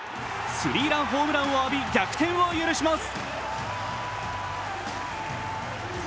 スリーランホームランを浴び逆転ホームランを許します。